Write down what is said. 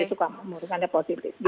untuk di sukamakmur karena positif